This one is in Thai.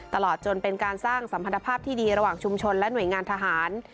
ตลอดจนเป็นการสร้างสัมพันธภาพที่ดีระหว่างชุมชนและหน่วยงานทหาร